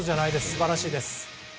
素晴らしいです。